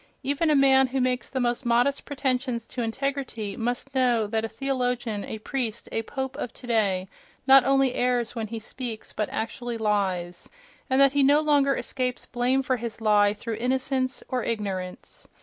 Even a man who makes the most modest pretensions to integrity must know that a theologian, a priest, a pope of today not only errs when he speaks, but actually lies—and that he no longer escapes blame for his lie through "innocence" or "ignorance."